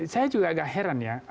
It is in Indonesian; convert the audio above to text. saya juga agak heran ya